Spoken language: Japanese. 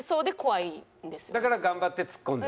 だから頑張ってツッコんでる？